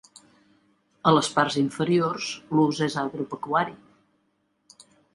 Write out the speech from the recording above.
A les parts inferiors l'ús és agropecuari.